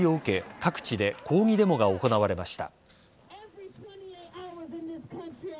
各地で抗議デモが行われました。